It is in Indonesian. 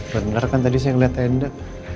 bener kan tadi saya melihat tenda